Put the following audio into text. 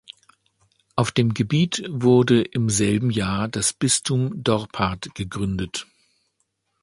Auf dem Gebiet wurde im selben Jahr das Bistum Dorpat gegründet.